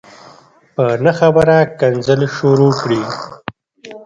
په نه خبره کنځل شروع کړي